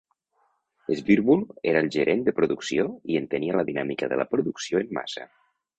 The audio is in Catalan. Swirbul era el gerent de producció i entenia la dinàmica de la producció en massa.